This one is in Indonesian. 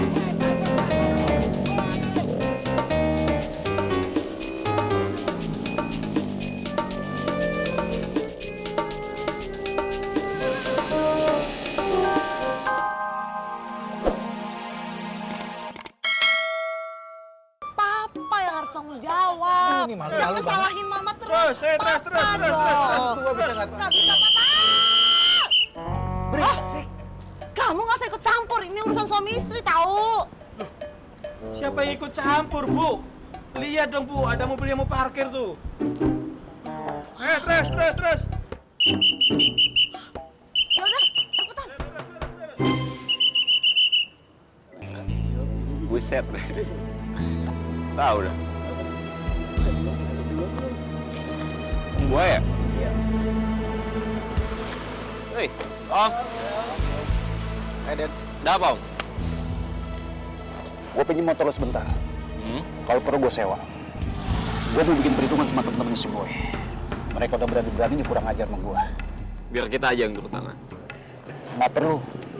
jangan lupa like share dan subscribe channel ini untuk dapat info terbaru